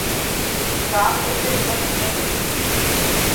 کام کرتے عمر گزر گئی